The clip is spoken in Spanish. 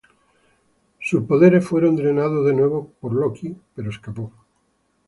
Sus poderes fueron drenados de nuevo por Loki, pero escapó.